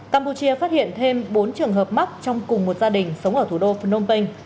campuchia phát hiện thêm bốn trường hợp mắc trong cùng một gia đình sống ở thủ đô phnom penh